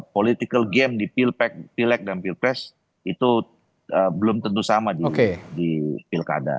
political game di pileg dan pilpres itu belum tentu sama di pilkada